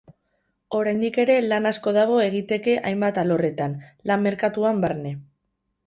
Oraindik ere lan asko dago egiteke hainbat alorretan, lan merkatuan barne.